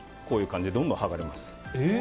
こういう感じでどんどん剥がれます。